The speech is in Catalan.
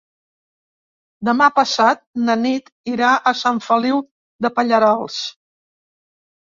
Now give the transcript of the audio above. Demà passat na Nit irà a Sant Feliu de Pallerols.